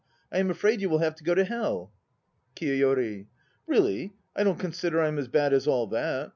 I am afraid you will have to go to Hell. KIYOYORI. Really, I don't consider I'm as bad as all that.